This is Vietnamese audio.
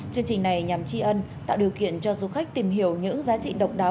chương trình này nhằm tri ân tạo điều kiện cho du khách tìm hiểu những giá trị độc đáo